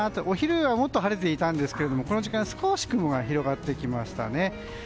お昼はもっと晴れていたんですがこの時間は少し雲が広がってきましたね。